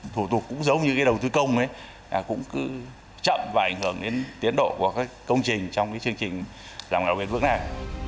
thủ tục cũng giống như đầu tư công cũng chậm và ảnh hưởng đến tiến độ của công trình trong chương trình lòng lào biên phước này